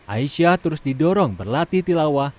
aisyah terus didorong berlatih tilawah